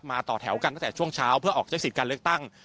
ต่อแถวกันตั้งแต่ช่วงเช้าเพื่อออกใช้สิทธิ์การเลือกตั้ง